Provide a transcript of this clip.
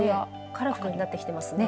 カラフルになってきていますね。